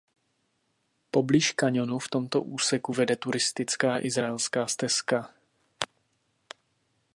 Poblíž kaňonu v tomto úseku vede turistická Izraelská stezka.